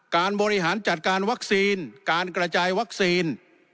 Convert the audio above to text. บริหารจัดการวัคซีนการกระจายวัคซีน